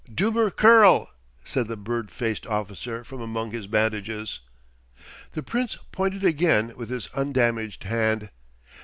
"Dummer Kerl!" said the bird faced officer from among his bandages. The Prince pointed again with his undamaged hand.